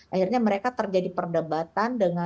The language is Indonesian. akhirnya mereka terjadi perdebatan